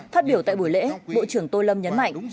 phát biểu tại buổi lễ bộ trưởng tô lâm nhấn mạnh